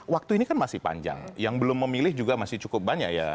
waktu ini kan masih panjang yang belum memilih juga masih cukup banyak ya